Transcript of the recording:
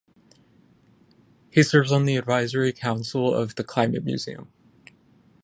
He serves on the Advisory Council of the Climate Museum.